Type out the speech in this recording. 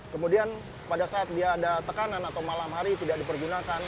kemudian pada saat dia ada tekanan atau malam hari tidak dipergunakan